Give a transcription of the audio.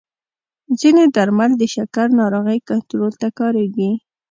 ځینې درمل د شکر ناروغۍ کنټرول ته کارېږي.